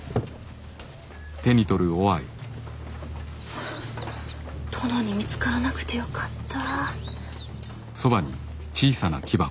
はあ殿に見つからなくてよかった。